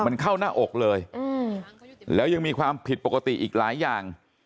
มันเข้าหน้าอกเลยแล้วยังมีความผิดปกติอีกหลายอย่าง